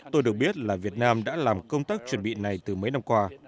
tôi được biết là việt nam đã làm công tác chuẩn bị này từ mấy năm qua